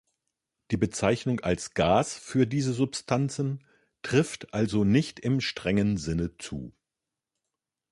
Die Bezeichnung als Gas für diese Substanzen trifft also nicht im strengen Sinne zu.